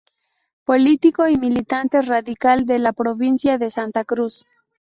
Político y militante radical de la Provincia de Santa Cruz.